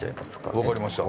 わかりました。